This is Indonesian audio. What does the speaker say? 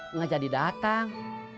enggak jadi datang